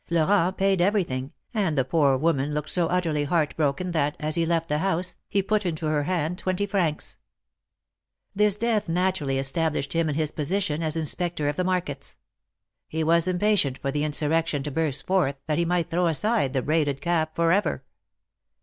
Florent paid everything, and the poor woman looked so utterly heart broken that, as he left the house, he put into her hand twenty francs. This death naturally established him in his position as Inspector of the markets. He was impatient for the insurrection to burst forth that he might throw aside the braided cap forever.